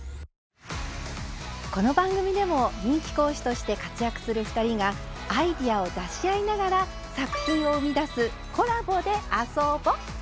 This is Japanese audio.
この番組でも人気講師として活躍する２人がアイデアを出し合いながら作品を生み出す「コラボで遊ぼ！」。